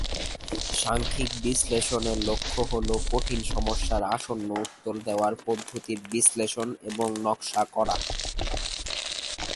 সাংখ্যিক বিশ্লেষণ এর লক্ষ হল কঠিন সমস্যার আসন্ন উত্তর দেওয়ার পদ্ধতির বিশ্লেষণ এবং নকশা করা।